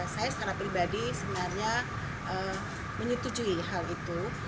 saya secara pribadi sebenarnya menyetujui hal itu